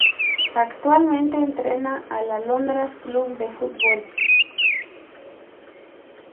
Actualmente entrena al Alondras Club de Fútbol.